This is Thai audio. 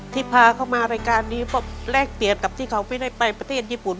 พาเขามารายการนี้เพราะแลกเปรียบกับที่เขาไม่ได้ไปประเทศญี่ปุ่น